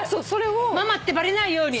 ママってバレないように。